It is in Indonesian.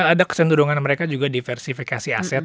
ada kesenderungan mereka juga diversifikasi aset